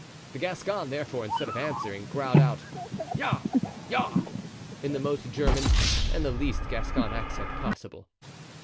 The Gascon, therefore, instead of answering, growled out "Ja! Ja!" in the most German and the least Gascon accent possible.